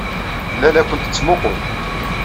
Tella la kent-tettmuqqul.